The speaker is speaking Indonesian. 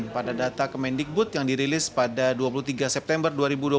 pada data kemendikbud yang dirilis pada dua puluh tiga september dua ribu dua puluh